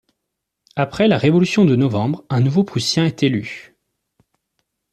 Après la révolution de novembre un nouveau ' prussien est élu.